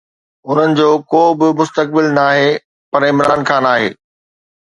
انهن جو ڪو به مستقبل ناهي پر عمران خان آهي.